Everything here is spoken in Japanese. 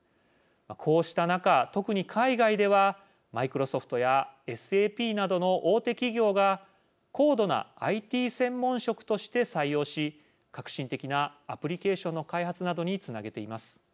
こうした中、特に海外ではマイクロソフトやＳＡＰなどの大手企業が高度なＩＴ専門職として採用し革新的なアプリケーションの開発などにつなげています。